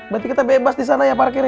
berarti kita bebas disana ya parkirnya